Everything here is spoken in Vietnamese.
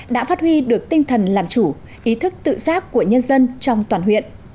đã phát huy được tinh thần làm chủ ý thức tự giác của nhân dân trong toàn huyện